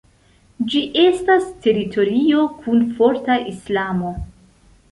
Ĝi estas teritorio kun forta islamo.